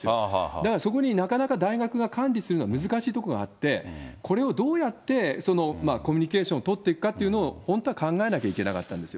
だからそこになかなか大学が管理するのは難しいところがあって、これをどうやってコミュニケーションを取っていくかっていうのを、本当は考えなきゃいけなかったんですよ。